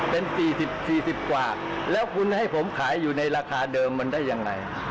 เป็น๔๐๔๐กว่าแล้วคุณให้ผมขายอยู่ในราคาเดิมมันได้ยังไง